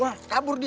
wah kabur dia